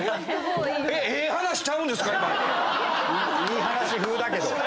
いい話風だけど。